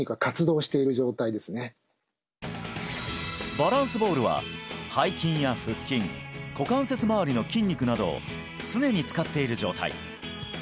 バランスボールは背筋や腹筋股関節まわりの筋肉などを常に使っている状態